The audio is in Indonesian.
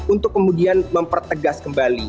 untuk kemudian mempertegas kembali